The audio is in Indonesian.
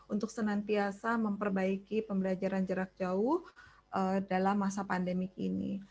untuk senantiasa memperbaiki pembelajaran jarak jauh dalam masa pandemi ini